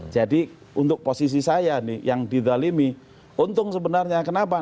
jadi untuk posisi saya nih yang didalimi untung sebenarnya kenapa